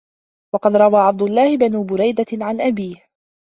وَقَدْ رَوَى عَبْدُ اللَّهِ بْنُ بُرَيْدَةَ عَنْ أَبِيهِ